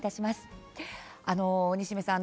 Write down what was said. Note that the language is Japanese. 西銘さん